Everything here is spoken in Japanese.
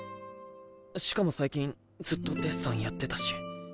しかも最近ずっとデッサンやってたし。